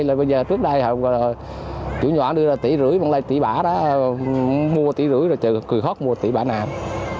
bây giờ trước đây chủ nhỏ đưa ra một năm tỷ bán lại một tỷ bả đó mua một tỷ rưỡi rồi chờ cười khóc mua một tỷ bả nào